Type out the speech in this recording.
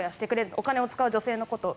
お金を使う女性のこと。